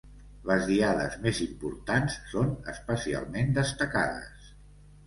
Les diades més importants són especialment destacades.